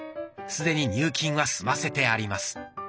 すでに入金は済ませてあります。